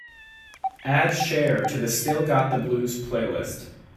Add Chér to the Still Got the Blues playlist